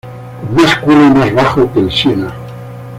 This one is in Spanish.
Con más culo y más bajo que el Siena.